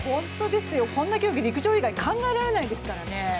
こんな競技、陸上以外考えられないですからね。